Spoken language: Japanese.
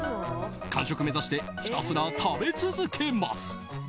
完食目指してひたすら食べ続けます。